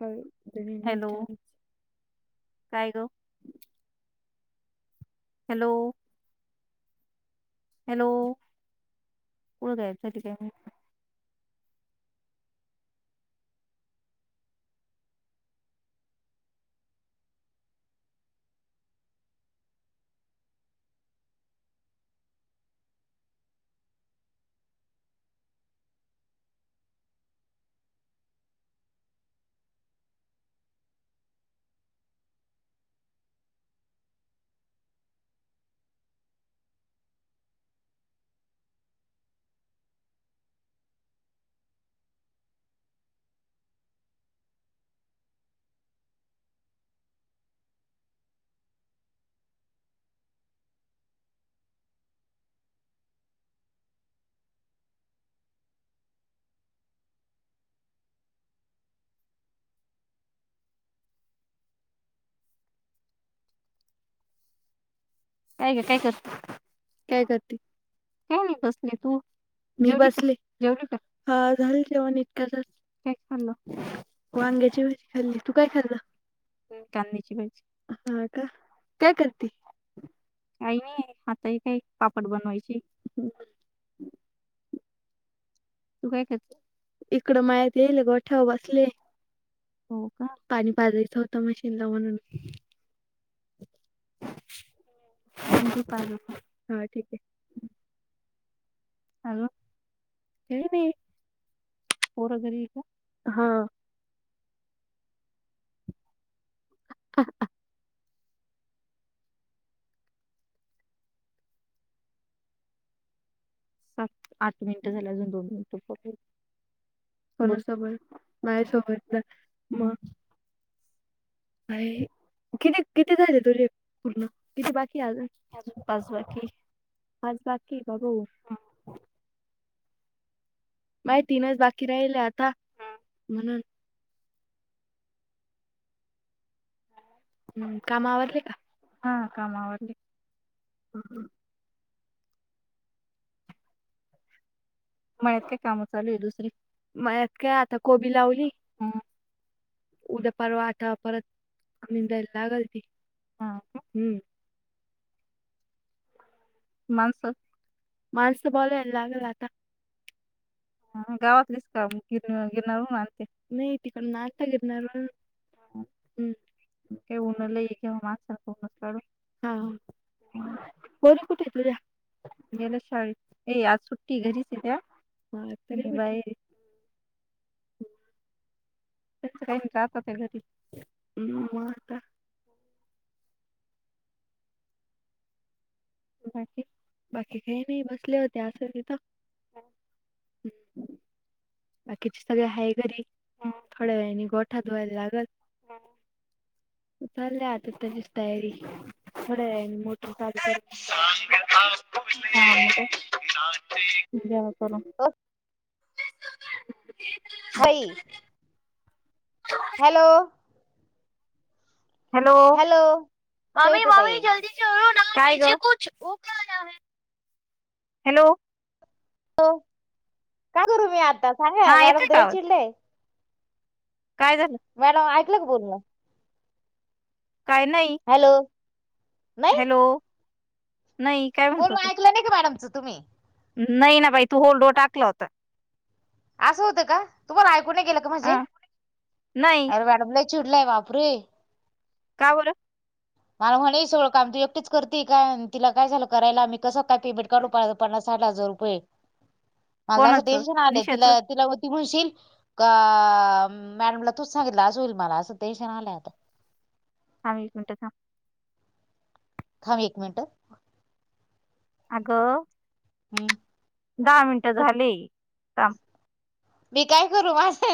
Hello! काय ग? Hello! Hello! कुठं गायब झाली काय माहित. काय गं काय करते? काय करते? काय नाही नाही बसली तू? मी बसलेे, जेवली का? हा झालं जेवण इतक्यातच. काय खाल्लं? वांग्याची भाजी खाल्ली, तू काय खाल्लं? मी कांद्याची भाजी. हा का! काय करते? काही नाही. आता हे काय पापड बनवायची. तू तू काय करती? इकडं मळ्यात येईली, गोठ्याव बसले. हो का! पाणी पाजायचं होतं म्हशीना म्हणून- [inaudible] हॅलो. हीड मी. पोरघरीय का? हा. [unintelligible] सात आठ मिनिटं झाले. अजून दोन मिनिटं बोलतच. मणुसोबत. नाहीच ना म [unintelligible] आई. किती किती झाले तुझे पूर्ण? किती बाकी अजून? पाच बाकीय. पाच बाकीच्या. बाबो. माहे तीनच बाकी राहिले आता. ह. म्हणून. हम्म. काम आवरले का? हा काम आवरले. मळ्यात काय कामं चालूय दुसरी? मळ्यात काय आता कोबी लावली. ह. उद्या परवा आठा परत, निदायला लागल ती. हा का? हम्म. माणस? माणसं बोलवायला लागल आता. ह गावातलीस का? गिर गिरणार आणत्या? नाही तिकडन आनता गीरणार वरुन. हम्म काय उन लईये घेव्हा माणसान कुनच काढू. हा हा. पोर कुठय? त्या गेल्या शाळेत. ए आज सुट्टीय घरीचे त्या. तरी बायेरे. त्यांच काही नाही. राहता त्या घरी. हम्म म आता. बाकी? बाकी काही नाही. बसले होते असच ईथ. [inaudible] बाकीचे सगळे हाये घरी. थोड्या वेळानी गोठा धुवायला लागल. चालीय आता त्याचीच तयारी. थोडावेळानी मोटर चालू कर [unintelligible] देवा करून. [inaudible] बाई. हॅलो. हॅलो. ममी सविता ताई ममी जलदी काय ग? हॅलो. हॅलो. काय करू मी आता सांगा. हा मॅडम येतोय त का लय आवाज चिडलेय. काय झालं? मॅडम ऐकलं का बोलण? काय? नाही. हॅलो. हॅलो. नाही. काय म्हणत बोलन होते ऐकलं नाही का मॅडमचं तुम्ही? नाही ना बाई. तू होल्ड व टाकला होता. असं होतं का? तुम्हाला ऐकून नाही गेलं का म्हणजे? हा नाही अरे मॅडम लई चिडल्याय बापरे. काबर? मला म्हणे सगळं काम तू एकटीच करते काय? तिला काय झालं करायला? मी कस काय पेमेट काढू? पणास साठ हजार रुपये? मला त अस कोणाचं टेन्शन आलय. निशाचं तीला तीला म ती म्हणशील का, मॅडमला तूच सांगितलं. अस होईल. मला अस टेन्शन आलंय आता. हां एक मिन्ट थाम. थांब एक मिन्ट. अगं हम्म धा मिन्ट झाले. काम मी काय करू माझहे